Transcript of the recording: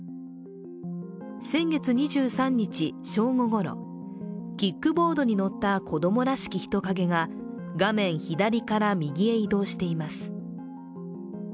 先月２３日正午ごろ、キックボードに乗った子供らしき人影が、画面左から右へ移動しています。